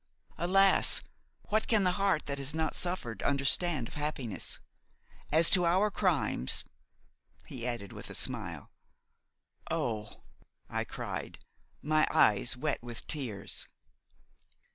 Alas! what can the heart that has not suffered understand of happiness? As to our crimes–" he added with a smile. "Oh!" I cried, my eyes wet with tears.